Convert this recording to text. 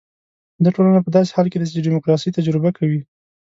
دا ټولنه په داسې حال کې ده چې ډیموکراسي تجربه کوي.